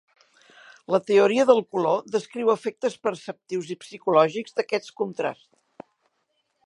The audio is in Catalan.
La teoria del color descriu efectes perceptius i psicològics d'aquest contrast.